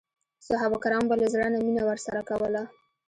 صحابه کرامو به له زړه نه مینه ورسره کوله.